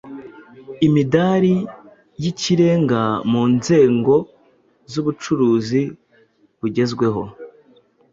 imidari y’ikirenga mu nzengo z’ubucuruzi bugezweho